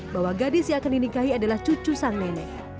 bahwa gadis yang akan dinikahi adalah cucu sang nenek